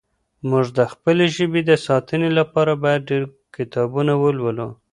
موږ د خپلې ژبې د ساتنې لپاره باید ډېر کتابونه ولولو.